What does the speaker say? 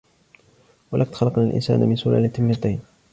ولقد خلقنا الإنسان من سلالة من طين